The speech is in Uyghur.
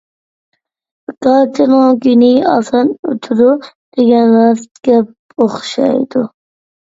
بىكارچىنىڭ كۈنى ئاسان ئۆتىدۇ، دېگەن راست گەپ ئوخشايدۇ.